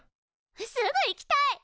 すぐ行きたい！